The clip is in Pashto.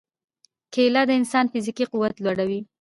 کېله د انسان فزیکي قوت لوړوي.